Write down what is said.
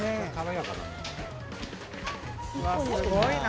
うわすごいな。